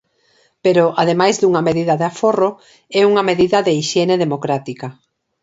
Pero, ademais dunha medida de aforro, é unha medida de hixiene democrática.